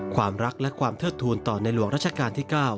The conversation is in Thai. ความรักและความเทิดทูลต่อในหลวงราชการที่๙